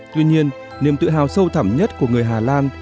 tuy nhiên niềm tự hào sâu thẳm nhất của người hà lan